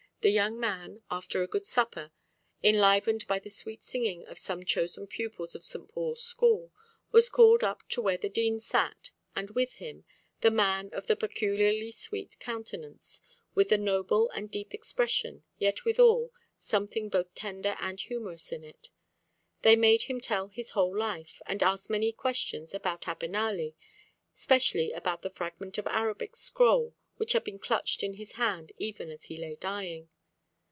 The young man, after a good supper, enlivened by the sweet singing of some chosen pupils of St. Paul's school, was called up to where the Dean sat, and with him, the man of the peculiarly sweet countenance, with the noble and deep expression, yet withal, something both tender and humorous in it. They made him tell his whole life, and asked many questions about Abenali, specially about the fragment of Arabic scroll which had been clutched in his hand even as he lay dying.